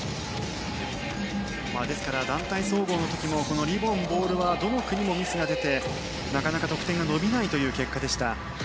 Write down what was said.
ですから、団体総合の時もこのリボン・ボールはどの国もミスが出てなかなか得点が伸びないという結果でした。